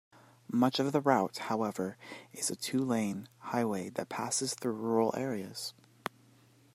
Much of the route, however, is a two-lane highway that passes through rural areas.